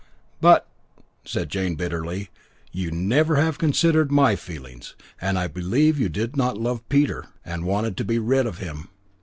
"But," said Jane bitterly, "you never have considered my feelings, and I believe you did not love Peter, and wanted to be rid of him."